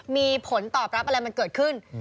มีผลตอบรับอะไรมันเกิดขึ้น